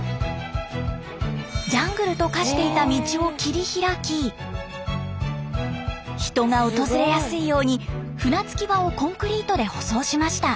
ジャングルと化していた道を切りひらき人が訪れやすいように船着き場をコンクリートで舗装しました。